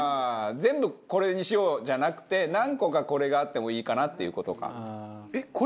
「全部これにしよう」じゃなくて何個かこれがあってもいいかなっていう事か。